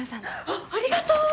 あっありがとう！